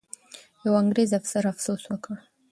یو انګریزي افسر افسوس وکړ.